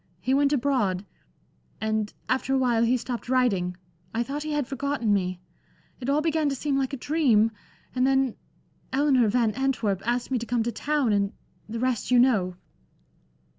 He went abroad. And after a while he stopped writing, I thought he had forgotten me. It all began to seem like a dream. And then Eleanor Van Antwerp asked me to come to town, and the rest you know."